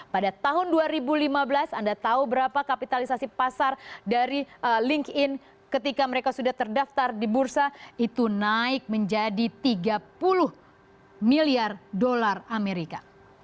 pada tahun dua ribu lima belas anda tahu berapa kapitalisasi pasar dari linkedin ketika mereka sudah terdaftar di bursa itu naik menjadi tiga puluh miliar dolar amerika